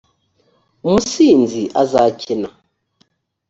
umusinzi azakena